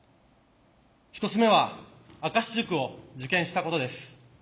１つ目は明石塾を受験したことです。